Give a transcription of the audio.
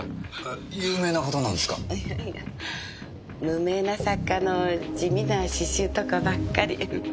無名な作家の地味な詩集とかばっかり。